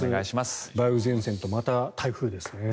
梅雨前線とまた台風ですね。